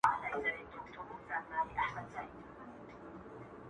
خدايه نری باران پرې وكړې _